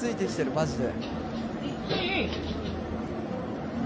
マジで。